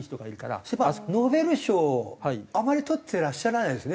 そういえばノーベル賞をあまりとってらっしゃらないですよね